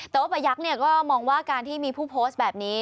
แต่ว่าประยักษ์ก็มองว่าการที่มีผู้โพสต์แบบนี้